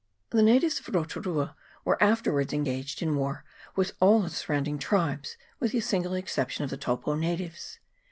The natives of Rotu rua were afterwards engaged in war with all the surrounding tribes, with the single exception of the Taupo natives.